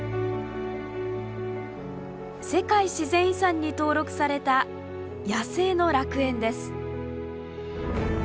世界自然遺産に登録された野生の楽園です。